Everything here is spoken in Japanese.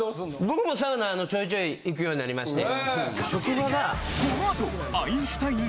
僕もサウナちょいちょい行くようになりまして。